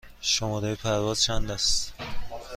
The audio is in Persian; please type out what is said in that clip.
شماره پرواز چند است؟